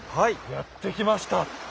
やって来ました！